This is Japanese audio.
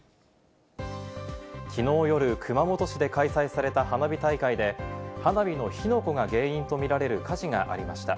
昨日夜、熊本市で開催された花火大会で花火の火の粉が原因とみられる火事がありました。